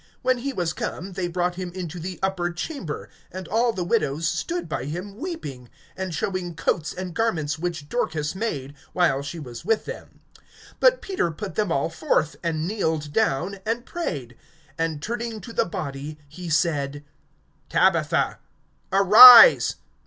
When he was come, they brought him into the upper chamber; and all the widows stood by him weeping, and showing coats and garments which Dorcas made, while she was with them. (40)But Peter put them all forth, and kneeled down, and prayed; and turning to the body, he said: Tabitha, arise.